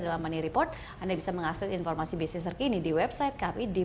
dalam money report anda bisa mengakses informasi bisnis terkini di website kami di